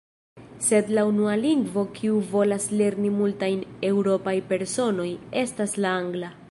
Sed, la unua lingvo kiu volas lerni multaj eŭropaj personoj, estas la angla.